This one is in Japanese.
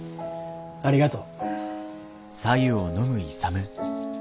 ありがとう。